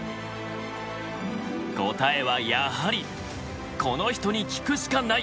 答えはやはりこの人に聞くしかない！